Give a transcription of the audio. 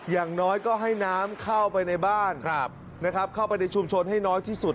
อย่างน้อยก็ให้น้ำเข้าไปในบ้านเข้าไปในชุมชนให้น้อยที่สุด